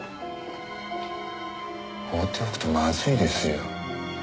放っておくとまずいですよ。